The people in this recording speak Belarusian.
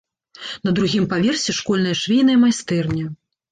На другім паверсе школьная швейная майстэрня.